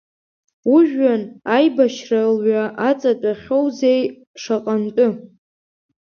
Ужәҩан аибашьра лҩа аҵатәахьоузеи шаҟантәы!